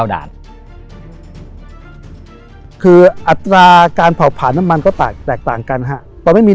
ดีดีดีดีดี